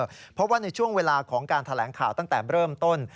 เพราะว่าในช่วงเวลาของการแถลงข่าวตั้งแต่เริ่มต้น